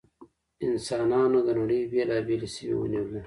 انسانانو د نړۍ بېلابېلې سیمې ونیولې.